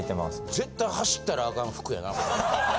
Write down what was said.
絶対走ったらアカン服やな。